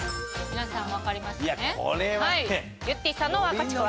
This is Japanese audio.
皆さん分かりましたね。